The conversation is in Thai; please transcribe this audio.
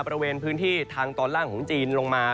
บริเวณพื้นที่ทางตอนล่างของจีนลงมา